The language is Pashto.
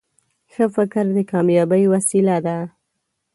ښه فکر د کامیابۍ وسیله ده.